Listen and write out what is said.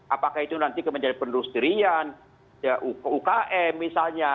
apakah itu nanti kementerian penerus dirian ukm misalnya